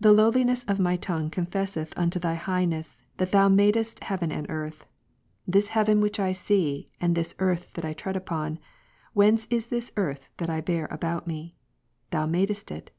The lowliness of my tongue confesseth unto Thy Highness, that Thou niadest heaven and earth ; this heaven which I see, and this earth that I tread upon, whence is this earth that I bear about me ; Thou madest it.